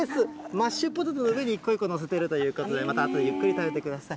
マッシュポテトの上に一個一個載せているということで、またあとでゆっくり食べてください。